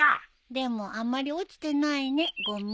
でもあんまり落ちてないねごみ。